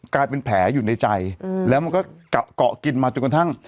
กลายเป็นแผลอยู่ในใจอืมและมันก็กอกินมาจนกว่าทั้ง